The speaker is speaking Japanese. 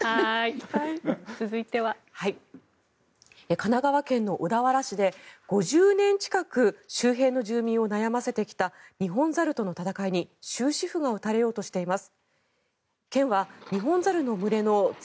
神奈川県の小田原市で５０年近く周辺の住民を悩ませてきたニホンザルとの戦いに終止符が打たれようとしています。